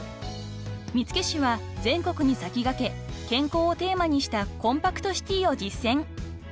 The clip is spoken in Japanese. ［見附市は全国に先駆け健康をテーマにしたコンパクトシティを実践］